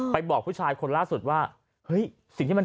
ไปบอกผู้ชายคนล่าสุดว่าเฮ้ย